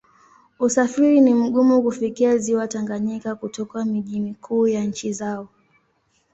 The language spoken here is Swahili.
Usafiri ni mgumu kufikia Ziwa Tanganyika kutoka miji mikuu ya nchi zao.